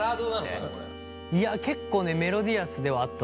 いや結構ねメロディアスではあった